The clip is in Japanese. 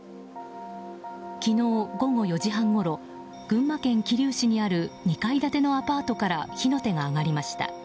昨日午後４時半ごろ群馬県桐生市にある２階建てのアパートから火の手が上がりました。